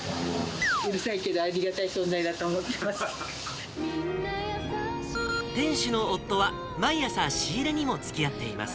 うるさいけど、ありがたい存店主の夫は、毎朝、仕入れにもつきあっています。